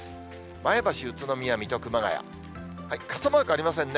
前橋、宇都宮、水戸、熊谷、傘マークありませんね。